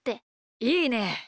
いいね！